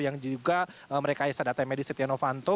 yang juga mereka isa data medis setia novanto